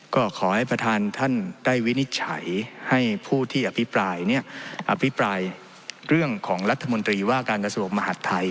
ก็ขอให้ประธานท่านได้วินิจฉัยให้ผู้ที่อภิปรายเนี่ยอภิปรายเรื่องของรัฐมนตรีว่าการกระทรวงมหาดไทย